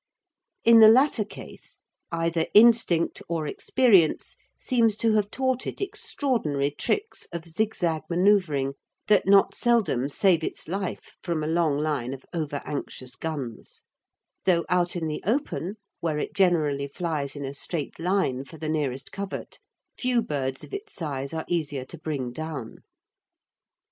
In the latter case, either instinct or experience seems to have taught it extraordinary tricks of zigzag man[oe]uvring that not seldom save its life from a long line of over anxious guns; though out in the open, where it generally flies in a straight line for the nearest covert, few birds of its size are easier to bring down.